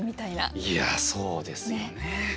いやそうですよね。